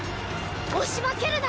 押し負けるな！